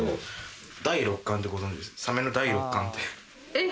えっ？